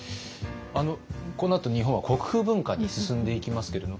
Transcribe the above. このあと日本は国風文化に進んでいきますけれども。